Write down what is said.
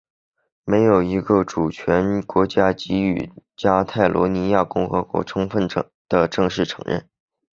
没有一个主权国家给予加泰罗尼亚共和国充分的正式承认。